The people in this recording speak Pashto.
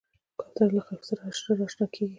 کوتره له خلکو سره ژر اشنا کېږي.